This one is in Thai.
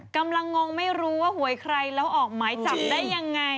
กำลังงงไม่รู้ว่าหวยใครแล้วออกไม้จับได้ยังไง